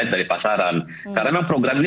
dari pasaran karena memang program ini